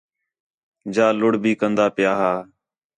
جا لُڑھ بھی کندا پِیا ہا